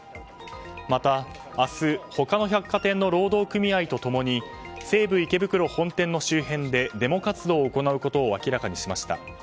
また明日、他の百貨店の労働組合と共に西武池袋本店の周辺でデモ活動を行うと明らかにしました。